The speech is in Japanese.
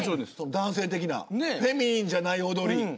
男性的なフェミニンじゃない踊り。